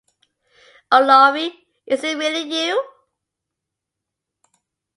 O Laurie, is it really you?